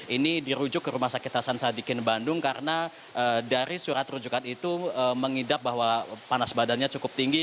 ini dirujuk ke rumah sakit hasan sadikin bandung karena dari surat rujukan itu mengidap bahwa panas badannya cukup tinggi